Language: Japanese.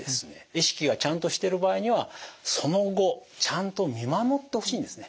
意識がちゃんとしてる場合にはその後ちゃんと見守ってほしいんですね。